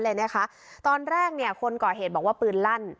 เลยนะคะตอนแรกเนี่ยคนก่อเหตุบอกว่าปืนลั่น